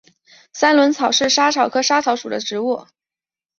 三轮草是莎草科莎草属的植物。